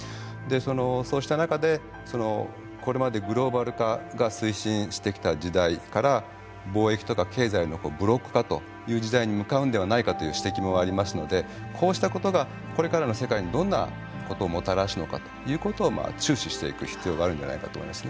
そうした中でこれまでグローバル化が推進してきた時代から貿易とか経済のブロック化という時代に向かうんではないかという指摘もありますのでこうしたことがこれからの世界にどんなことをもたらすのかということを注視していく必要があるんじゃないかと思いますね。